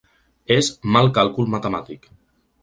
És 'mal càlcul matemàtic'